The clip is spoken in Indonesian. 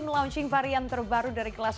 melaunching varian terbaru dari kelas